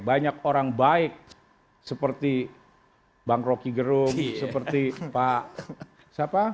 banyak orang baik seperti bang rocky gerung seperti pak siapa